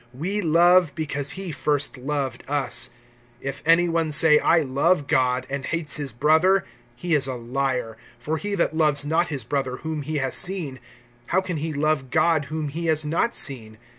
(19)We love, because he first loved us. (20)If any one say, I love God, and hates his brother, he is a liar; for he that loves not his brother whom he has seen, how can he love God whom he has not seen?